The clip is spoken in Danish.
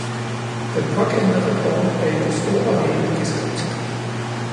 Den pågældende rapport er i det store og hele deskriptiv.